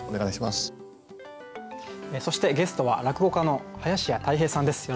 そしてゲストは落語家の林家たい平さんです。